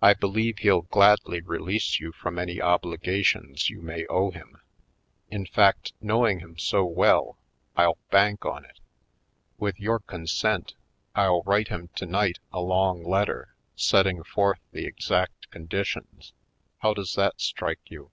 I believe he'll gladly release you from any obliga tions you may owe him. In fact, knov/ing him so well, I'll bank on it. With your con sent I'll write him tonight, a long letter, setting forth the exact conditions. How does that strike you."